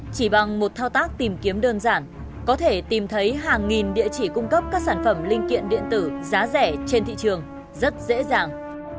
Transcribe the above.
chỉ bằng một thao tác tìm kiếm đơn giản có thể tìm thấy hàng nghìn địa chỉ cung cấp các sản phẩm linh kiện điện tử giá rẻ trên thị trường rất dễ dàng